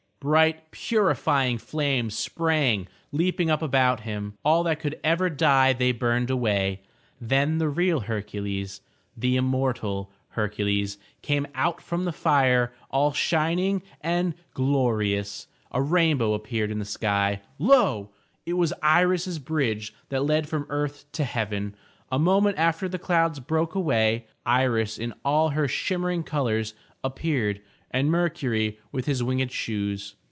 Bright purifying flames sprang leaping up about him. All that could ever die they burned away. Then the real Hercules, the immortal Hercules came out from the fire all shining and glorious. A rainbow appeared in the sky. Lo! it was Iris's bridge that led from earth to heaven. A moment after the clouds broke away; Iris in all her shimmering colors appeared and Mercury with his winged shoes.